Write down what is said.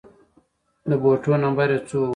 د بوټو نمبر يې څو و